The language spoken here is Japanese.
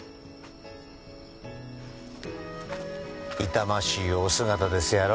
痛ましいお姿ですやろ。